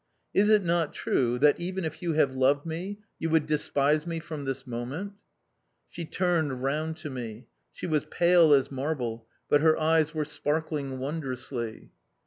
Is it not true that, even if you have loved me, you would despise me from this moment?"... She turned round to me. She was pale as marble, but her eyes were sparkling wondrously.